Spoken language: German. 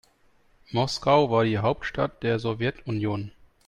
Moskau war die Hauptstadt der Sowjetunion.